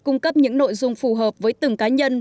cung cấp những nội dung phù hợp với từng cá nhân